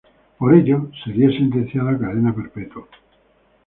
Por ello, sería sentenciado a cadena perpetua.